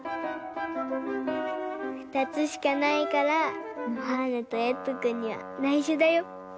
２つしかないからのはーなとえいとくんにはないしょだよ。